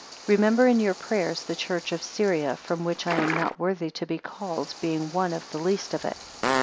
Remember in your prayers the church of Syria, from which I am not worthy to be called, being one of the least of it.